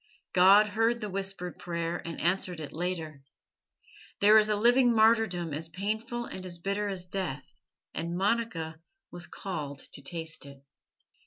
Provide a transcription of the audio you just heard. God heard the whispered prayer, and answered it later. There is a living martyrdom as painful and as bitter as death, and Monica was called to taste it.